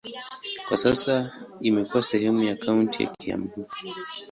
Kwa sasa imekuwa sehemu ya kaunti ya Kiambu.